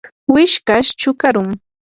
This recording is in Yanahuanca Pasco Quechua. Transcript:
wishkash chukarum.